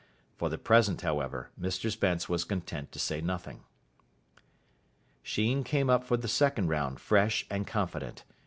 For the present, however, Mr Spence was content to say nothing. Sheen came up for the second round fresh and confident.